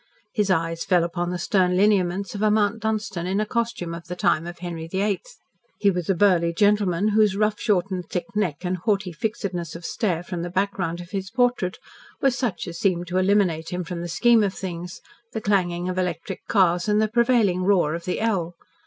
His eyes fell upon the stern lineaments of a Mount Dunstan in a costume of the time of Henry VIII. He was a burly gentleman, whose ruff shortened thick neck and haughty fixedness of stare from the background of his portrait were such as seemed to eliminate him from the scheme of things, the clanging of electric cars, and the prevailing roar of the L.